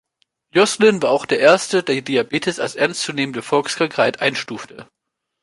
Joslin war auch der Erste der Diabetes als ernst zu nehmende Volkskrankheit einstufte.